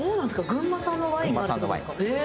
群馬産のワインがあるってことですか？